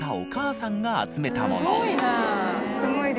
すごいな。